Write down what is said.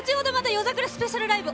「夜桜スペシャルライブ」